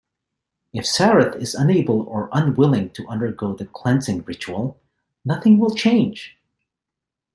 If Sareth is unable or unwilling to undergo the cleansing ritual, nothing will change.